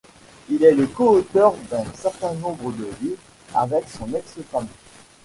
Il est le coauteur d'un certain nombre de livres avec son ex-femme.